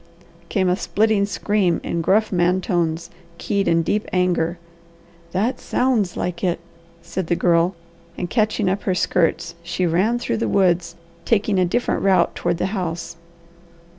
came a splitting scream in gruff man tones, keyed in deep anger. "That SOUNDS like it!" said the Girl, and catching up her skirts she ran through the woods, taking a different route toward the house.